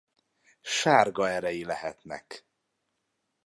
Sárga erei lehetnek.